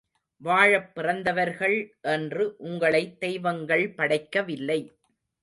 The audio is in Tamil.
வாழப் பிறந்தவர்கள் என்று உங்களை தெய்வங்கள் படைக்கவில்லை.